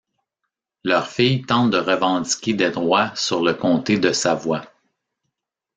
Leur fille tente de revendiquer des droits sur le comté de Savoie.